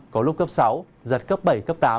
có lúc cấp sáu giật cấp bảy cấp tám